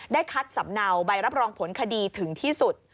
คัดสำเนาใบรับรองผลคดีถึงที่สุด